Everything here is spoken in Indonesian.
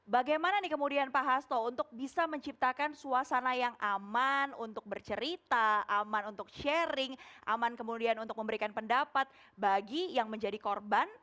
bagaimana nih kemudian pak hasto untuk bisa menciptakan suasana yang aman untuk bercerita aman untuk sharing aman kemudian untuk memberikan pendapat bagi yang menjadi korban